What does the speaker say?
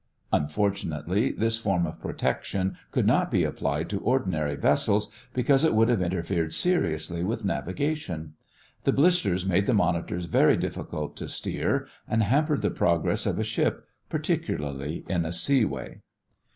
Unfortunately, this form of protection could not be applied to ordinary vessels, because it would have interfered seriously with navigation. The blisters made the monitors very difficult to steer and hampered the progress of a ship, particularly in a seaway.